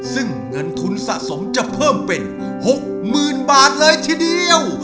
ซึ่งเงินทุนสะสมจะเพิ่มเป็น๖๐๐๐บาทเลยทีเดียว